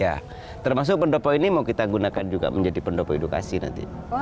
ya termasuk pendopo ini mau kita gunakan juga menjadi pendopo edukasi nanti